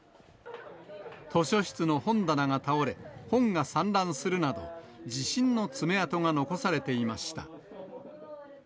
図書室の本棚が倒れ、本が散乱するなど、地震の爪痕が残されていました。